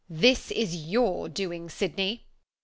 '] This is your doing, Sydney.